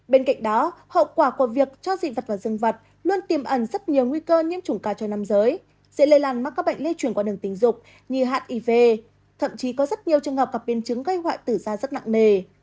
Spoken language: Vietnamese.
bên cạnh đó hậu quả của việc cho dị vật vào dân vật luôn tiềm ẩn rất nhiều nguy cơ nhiễm trùng cao cho nam giới dễ lây làn mắc các bệnh lê chuyển qua đường tình dục như hạn iv thậm chí có rất nhiều trường hợp gặp biên chứng gây hoại tử da rất nặng nề